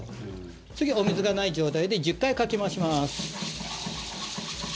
次、お水がない状態で１０回かき回します。